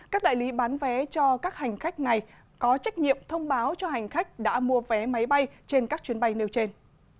các đại lý bán vé cho các hành khách này có trách nhiệm thông báo cho hành khách đã mua vé máy bay trên các chuyến bay nêu trên